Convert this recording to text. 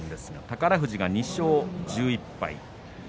宝富士が２勝１１敗。